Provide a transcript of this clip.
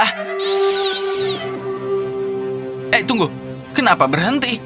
eh tunggu kenapa berhenti